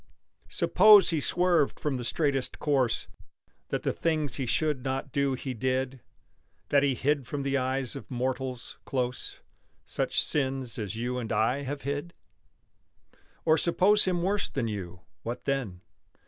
Suppose he swerved from the straightest course That the things he should not do he did That he hid from the eyes of mortals, close, Such sins as you and I have hid? Or suppose him worse than you; what then?